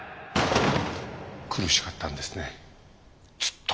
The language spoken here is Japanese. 苦しかったんですねずっと。